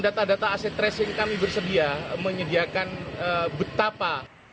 data data aset tracing kami bersedia menyediakan betapa